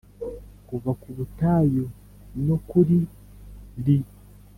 Kuva ku butayu no kuri Li